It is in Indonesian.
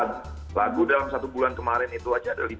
jadi lagu dalam satu bulan kemarin itu aja ada lima lagu